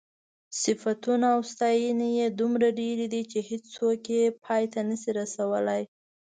صفتونه او ستاینې یې دومره ډېرې دي چې هېڅوک یې پای ته نشي رسولی.